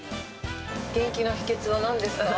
元気の秘けつはなんですか？